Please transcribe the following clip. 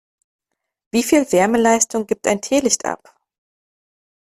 Wie viel Wärmeleistung gibt ein Teelicht ab?